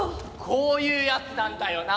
こういうやつなんだよな。